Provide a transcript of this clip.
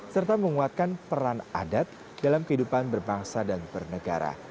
serta menguatkan peran adat dalam kehidupan berbangsa dan bernegara